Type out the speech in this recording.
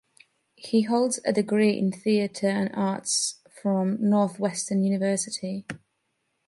He holds a degree in Theater and Arts from Northwestern University.